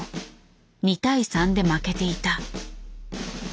２対３で負けていた。